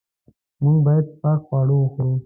موږ باید پاک خواړه وخورو.